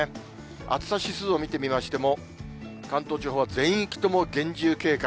暑さ指数を見てみましても、関東地方全域とも厳重警戒。